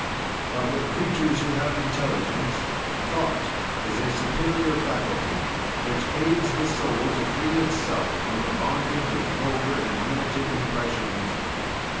"But with creatures who have intelligence, thought is a superior faculty, which aids the soul to free itself from the bondage of vulgar and limited impressions.